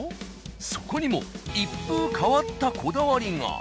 そこにも一風変わったこだわりが。